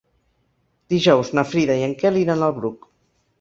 Dijous na Frida i en Quel iran al Bruc.